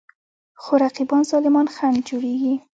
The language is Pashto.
خو رقیبان ظالمان خنډ جوړېږي.